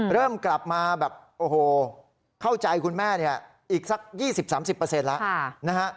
เริ่มกลับมาแบบโอ้โหเข้าใจคุณแม่เนี่ยอีกสัก๒๐๓๐แล้วนะฮะ